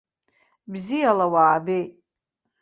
Бзиала уаабеит!